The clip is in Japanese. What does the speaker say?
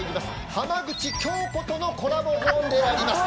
浜口京子とのコラボゾーンであります。